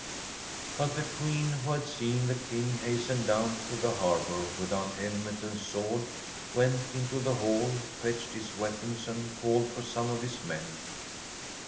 But the Queen, who had seen the King hasten down to the harbour without helmet and sword, went into the hall, fetched his weapons and called for some of his men.